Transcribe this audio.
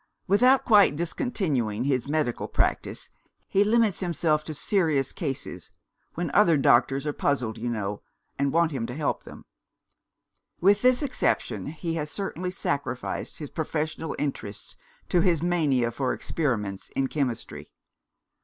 Without quite discontinuing his medical practice, he limits himself to serious cases when other doctors are puzzled, you know, and want him to help them. With this exception, he has certainly sacrificed his professional interests to his mania for experiments in chemistry.